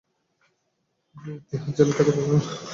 তিহার জেলে থাকা তাদের নেতা ওমর ফারুকের মুক্তি দাবি করেছে।